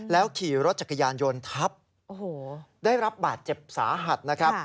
ขี่รถจักรยานยนต์ทับได้รับบาดเจ็บสาหัสนะครับ